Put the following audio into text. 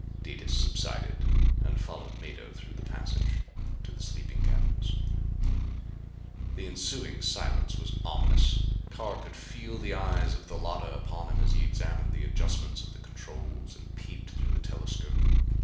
Detis subsided and followed Mado through the passage to the sleeping cabins. The ensuing silence was ominous. Carr could feel the eyes of the Llotta upon him as he examined the adjustments of the controls and peeped through the telescope.